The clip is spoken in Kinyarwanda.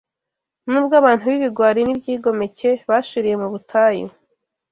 Nubwo abantu b’ibigwari n’ibyigomeke bashiriye mu butayu